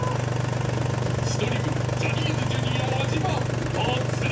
［千鳥軍ジャニーズＪｒ．安嶋脱落］